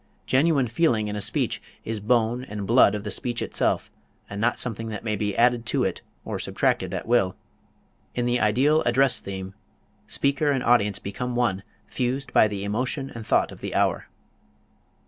Genuine feeling in a speech is bone and blood of the speech itself and not something that may be added to it or substracted at will. In the ideal address theme, speaker and audience become one, fused by the emotion and thought of the hour.